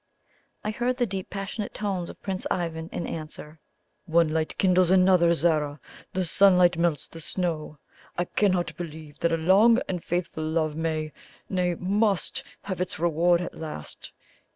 I heard the deep, passionate tones of Prince Ivan in answer: "One light kindles another, Zara! The sunlight melts the snow! I cannot believe but that a long and faithful love may nay, MUST have its reward at last.